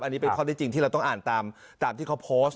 อันนี้เป็นข้อได้จริงที่เราต้องอ่านตามที่เขาโพสต์